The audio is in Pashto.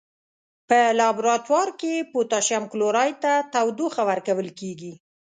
په لابراتوار کې پوتاشیم کلوریت ته تودوخه ورکول کیږي.